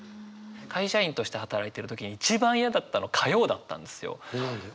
会社員として働いてる時に一番嫌だったの火曜だったんですよ。何で？